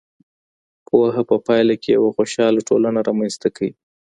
پوهه په پايله کي يوه خوشحاله ټولنه رامنځته کوي.